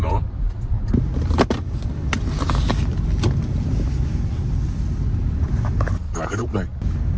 nút nằm dưới đây